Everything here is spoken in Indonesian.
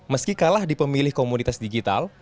meski kalah di pemilih komunitas digital